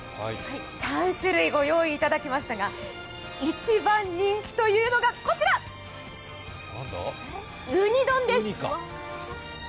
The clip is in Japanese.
３種類ご用意いただきましたが一番人気というのがうに丼です。